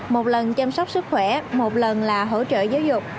một lần chăm sóc sức khỏe một lần là hỗ trợ giáo dục